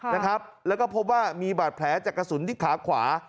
นะครับแล้วก็พบว่ามีบาดแผลจากกระสุนที่ขาขวา